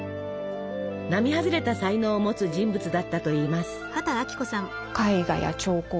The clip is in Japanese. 並外れた才能を持つ人物だったといいます。